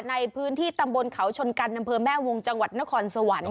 ในพื้นที่ตำบลเขาชนกันอำเภอแม่วงจังหวัดนครสวรรค์